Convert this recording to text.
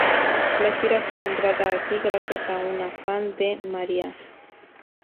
La Gira fue nombrada así gracias a una fan de Mariah.